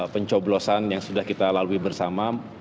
pencoblosan yang sudah kita lalui bersama